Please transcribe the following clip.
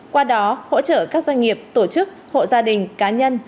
qua đó hỗ trợ các doanh nghiệp tổ chức hộ gia đình cá nhân